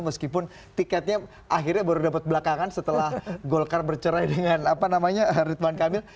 meskipun tiketnya akhirnya baru dapat belakangan setelah golkar bercerai dengan ritwan kamil